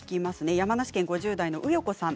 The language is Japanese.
山梨県５０代の方です。